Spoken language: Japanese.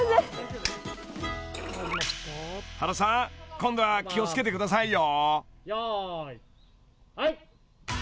今度は気を付けてくださいよ］